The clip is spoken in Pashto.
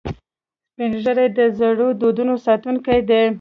سپین ږیری د زړو دودونو ساتونکي دي